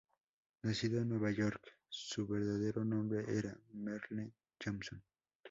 Nacido en Nueva York, su verdadero nombre era Merle Johnson, Jr..